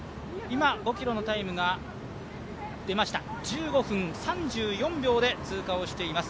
５ｋｍのタイムが１５分３４秒で通過をしています。